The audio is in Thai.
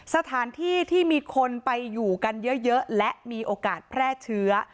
สถานที่ที่มีคนไปอยู่กันเยอะและมีโอกาสแพร่เชื้อ